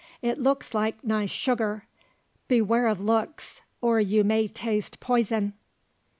It looks like nice sugar. Beware of looks or you may taste poison."